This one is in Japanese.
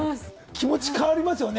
気持ち、変わりますよね。